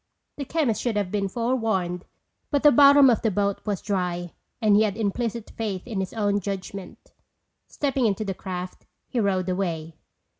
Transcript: The chemist should have been forewarned but the bottom of the boat was dry and he had implicit faith in his own judgment. Stepping into the craft he rowed away.